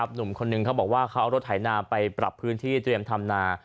หนุ่มคนนึงเขาบอกว่าเขาเอารถไถนาไปปรับพื้นที่เตรียมทำนา